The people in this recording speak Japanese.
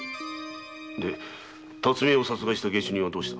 で巽屋を殺害した下手人はどうした？